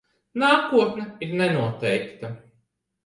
Nākotne ir nenoteikta.